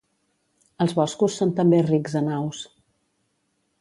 Els boscos són també rics en aus.